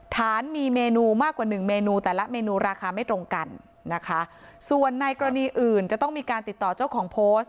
ฐานมีเมนูมากกว่าหนึ่งเมนูแต่ละเมนูราคาไม่ตรงกันนะคะส่วนในกรณีอื่นจะต้องมีการติดต่อเจ้าของโพสต์